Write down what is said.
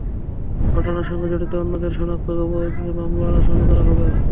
ঘটনার সঙ্গে জড়িত অন্যদের শনাক্ত করে পরবর্তীতে মামলার আসামি করা হবে।